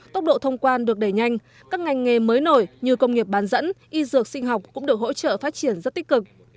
tốc độ thông quan được đẩy nhanh các ngành nghề mới nổi như công nghiệp bán dẫn y dược sinh học cũng được hỗ trợ phát triển rất tích cực